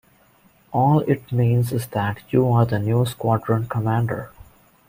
All it means is that you're the new squadron commander.